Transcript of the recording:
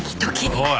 おい。